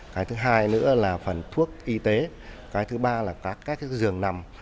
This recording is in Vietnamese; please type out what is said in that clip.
cái thứ hai nữa là phần thuốc y tế cái thứ ba là các giường nằm